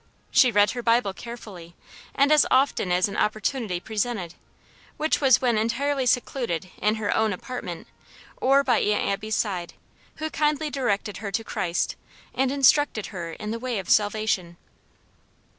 She read her Bible carefully, and as often as an opportunity presented, which was when entirely secluded in her own apartment, or by Aunt Abby's side, who kindly directed her to Christ, and instructed her in the way of salvation.